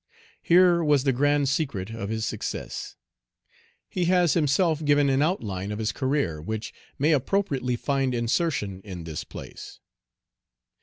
Here was the grand secret of his success. He has himself given an outline of his career, which may appropriately find insertion in this place.